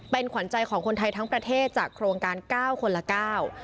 เป็นขวัญใจของคนไทยทั้งประเทศจากโครงการเก้าคนละเก้า